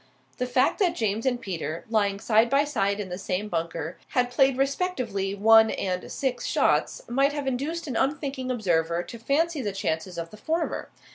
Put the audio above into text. The fact that James and Peter, lying side by side in the same bunker, had played respectively one and six shots, might have induced an unthinking observer to fancy the chances of the former.